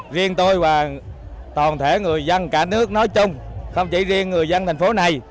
và toàn thể người dân cả nước nói chung không chỉ riêng người dân thành phố này